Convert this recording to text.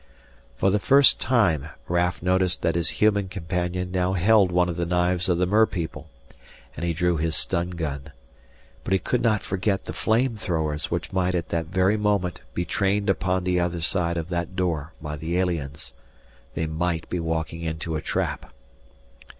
For the first time Raf noticed that his human companion now held one of the knives of the merpeople, and he drew his stun gun. But he could not forget the flame throwers which might at that very moment be trained upon the other side of that door by the aliens. They might be walking into a trap.